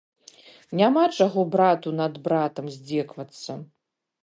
Няма чаго брату над братам здзекавацца.